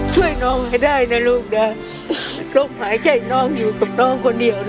ช่วยน้องให้ได้นะลูกนะลมหายใจน้องอยู่กับน้องคนเดียวนะ